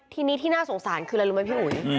ทีนี้ที่น่าสงสารคืออะไรรู้ไหมพี่อุ๋ย